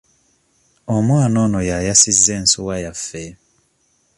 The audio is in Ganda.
Omwana ono y'ayasizza ensuwa yaffe.